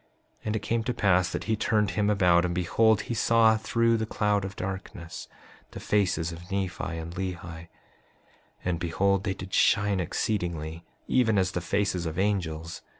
5:36 And it came to pass that he turned him about, and behold, he saw through the cloud of darkness the faces of Nephi and Lehi; and behold, they did shine exceedingly, even as the faces of angels.